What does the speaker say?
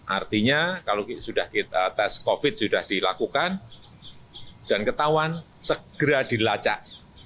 artinya kalau sudah kita tes covid sudah dilakukan dan ketahuan segera dilacak